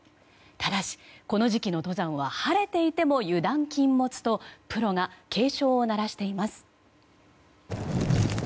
ただし、この時期の登山は晴れていても油断禁物とプロが警鐘を鳴らしています。